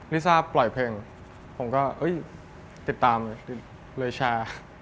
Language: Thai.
ลิซ่าปล่อยเพลงผมก็ติดตามเลยแชร์